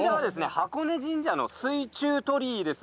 箱根神社の水中鳥居です。